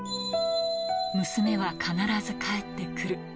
娘は必ず帰ってくる。